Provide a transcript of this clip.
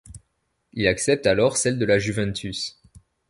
Il accepte alors celle de la Juventus.